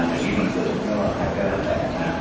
อย่างนี้มันเกิดก็แทบก็แทบ